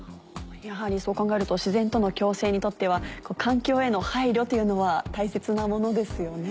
やはりそう考えると自然との共生にとっては環境への配慮というのは大切なものですよね。